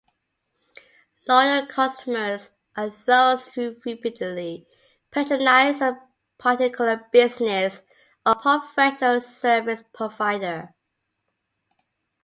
Loyal customers are those who repeatedly patronize a particular business or professional service provider.